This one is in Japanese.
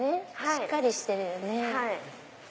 しっかりしてるよね。